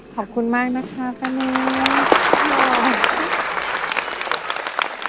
ขอบคุณมากนะคะป้านิว